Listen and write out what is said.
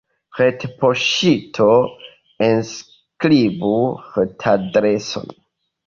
Retpoŝto Enskribu retadreson.